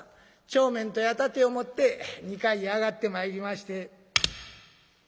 帳面と矢立てを持って２階へ上がってまいりまして。